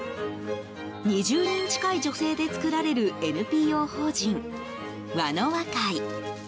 ２０人近い女性で作られるＮＰＯ法人、わのわ会。